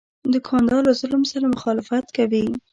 دوکاندار له ظلم سره مخالفت کوي.